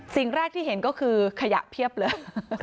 สิ่งแรกที่เห็นก็คือขยะเพียบเลย